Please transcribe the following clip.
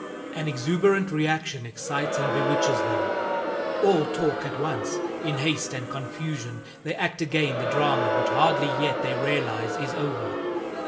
An exuberant reaction excites and bewitches them. All talk at once. In haste and confusion they act again the drama which hardly yet they realize is over.